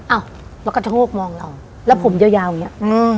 อ้าวเราก็จะโหกมองเราแล้วผมยาวอย่างเงี้ย